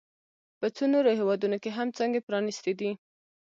په څو نورو هېوادونو کې هم څانګې پرانیستي دي